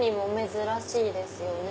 珍しいですよね。